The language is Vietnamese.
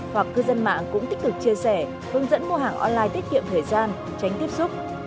hoặc cư dân mạng cũng tích cực chia sẻ hướng dẫn mua hàng online tiết kiệm thời gian tránh tiếp xúc